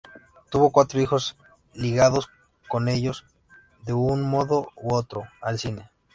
Tuvo cuatro hijos, ligados todos ellos, de un modo u otro, al cine.